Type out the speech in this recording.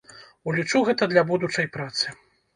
Улічу гэта для будучай працы.